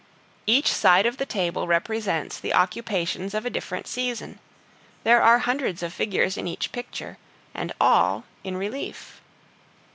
Each side of the table represents the occupations of a different season; there are hundreds of figures in each picture, and all in relief.